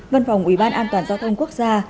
văn phòng ủy ban an toàn giao thông quốc gia